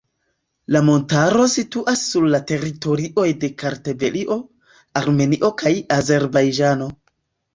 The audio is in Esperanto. La montaro situas sur la teritorioj de Kartvelio, Armenio kaj Azerbajĝano.